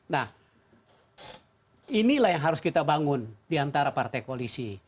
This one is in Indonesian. nah inilah yang harus kita bangun diantara partai koalisi